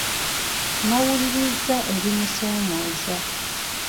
Nnawulirizza ebimusoomooza.